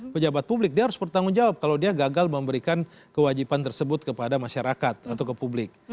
pejabat publik dia harus bertanggung jawab kalau dia gagal memberikan kewajiban tersebut kepada masyarakat atau ke publik